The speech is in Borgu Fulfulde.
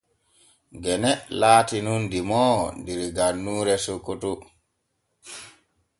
Gene laati nun demoowo der gannuure Sokoto.